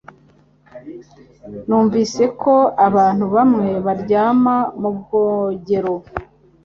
Numvise ko abantu bamwe baryama mubwogero